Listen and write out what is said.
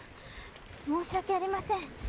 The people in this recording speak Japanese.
申し訳ありません。